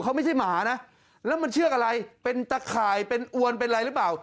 เขาไม่ใช่หมานะแล้วมันเชือกอะไรเป็นตะข่ายเป็นอวนเป็นอะไรหรือเปล่า